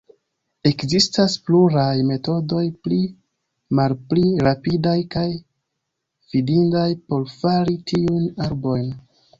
Ekzistas pluraj metodoj, pli malpli rapidaj kaj fidindaj, por fari tiujn arbojn.